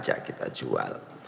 jadi kita jual